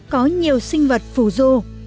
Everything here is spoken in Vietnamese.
có nhiều sinh vật phù ru